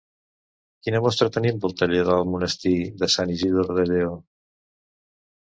Quina mostra tenim del taller del monestir de Sant Isidor de Lleó?